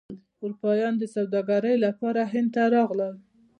اروپایان د سوداګرۍ لپاره هند ته راغلل.